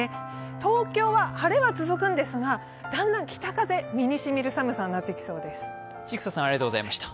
東京は晴れは続くんですが、だんだん北風が身に染みる寒さになってきそうです。